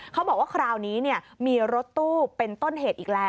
เขาบอกว่าคราวนี้มีรถตู้เป็นต้นเหตุอีกแล้ว